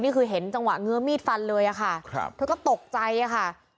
นี่คือเห็นจังหวะเงื้อมีดฟันเลยอะค่ะครับเธอก็ตกใจอะค่ะ